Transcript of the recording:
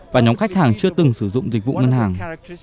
và nhóm khách hàng chưa từng sử dụng dịch vụ ngân hàng